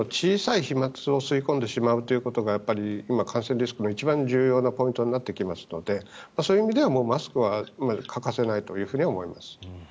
小さい飛まつを吸い込んでしまうということが感染の一番重要なポイントになりますのでそういう意味ではマスクは欠かせないと思います。